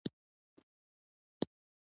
زه غواړم چې یو ښه مثال شم